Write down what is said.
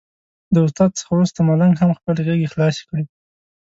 د استاد څخه وروسته ملنګ هم خپلې غېږې خلاصې کړې.